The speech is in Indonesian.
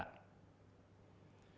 pada saat ini